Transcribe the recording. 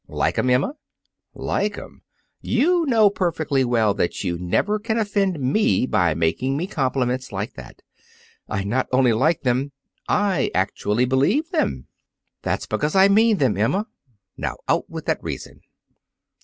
"Like 'em, Emma?" "Like 'em? You know perfectly well that you never can offend me by making me compliments like that. I not only like them; I actually believe them!" "That's because I mean them, Emma. Now, out with that reason!"